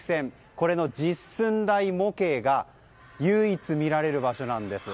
これの実寸大模型が唯一、見られる場所なんです。